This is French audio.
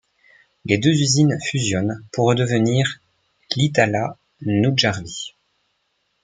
Les deux usines fusionnent pour devenir Iittala-Nuutjärvi.